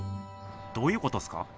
どういうことっすか？